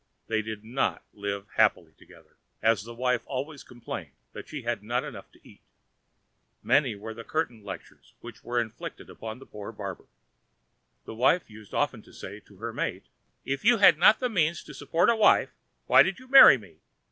They did not live happily together, as the wife always complained that she had not enough to eat. Many were the curtain lectures which were inflicted upon the poor barber. The wife used often to say to her mate, "If you had not the means to support a wife, why did you marry me?